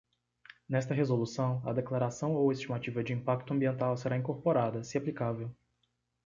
Nesta resolução, a declaração ou estimativa de impacto ambiental será incorporada, se aplicável.